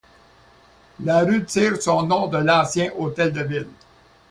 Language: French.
La rue tire son nom de l'ancien hôtel de ville.